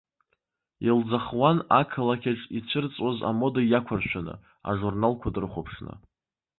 Илӡахуан ақалақьаҿ ицәырҵуаз амода иақәыршәаны, ажурналқәа дрыхәаԥшны.